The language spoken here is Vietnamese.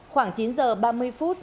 khoảng chín h ba mươi phút